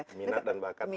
minat dan bakat